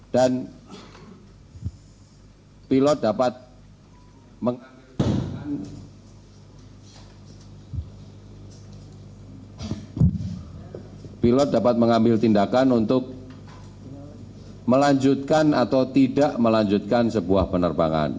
dan pilot dapat mengambil tindakan untuk melanjutkan atau tidak melanjutkan sebuah penerbangan